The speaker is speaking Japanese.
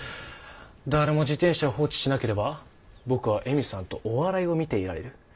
誰も自転車を放置しなければ僕は恵美さんとお笑いを見ていられる。